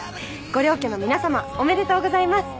ご両家の皆さまおめでとうございます。